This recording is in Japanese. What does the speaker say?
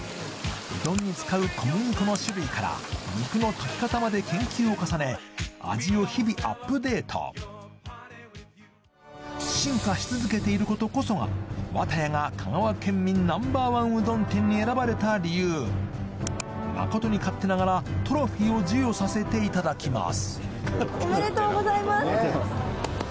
うどんに使う小麦粉の種類から肉の炊き方まで研究を重ね味を日々アップデート進化し続けていることこそが綿谷が香川県民ナンバーワンうどん店に選ばれた理由誠に勝手ながらトロフィーを授与させていただきますおめでとうございます。